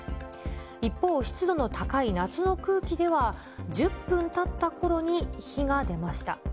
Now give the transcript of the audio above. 一方、湿度の高い夏の空気では、１０分たったころに火が出ました。